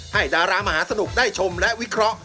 ดารามหาสนุกได้ชมและวิเคราะห